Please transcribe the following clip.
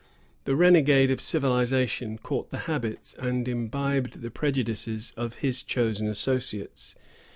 The renegade of civilization caught the habits and imbibed the prejudices of his chosen associates.